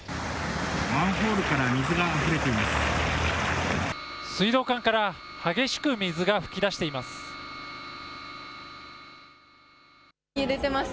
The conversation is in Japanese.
マンホールから水があふれています。